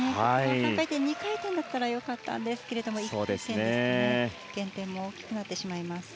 ３回転、２回転だったら良かったんですが、１回転だと減点も大きくなってしまいます。